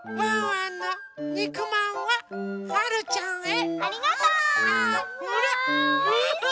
うん！